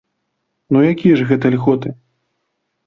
Ну якія ж гэта льготы?